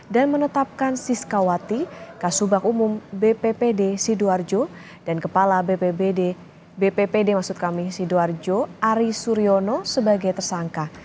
dan menetapkan siskawati kasubang umum bppd sidoarjo dan kepala bppd sidoarjo ari suryono sebagai tersangka